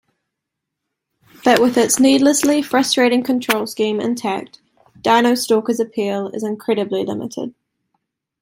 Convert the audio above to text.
But with its needlessly frustrating control scheme intact, Dino Stalker's appeal is incredibly limited.